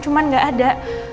cuman gak ada